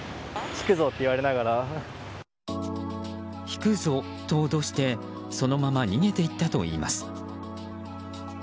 ひくぞと脅してそのまま逃げて行ったといいます。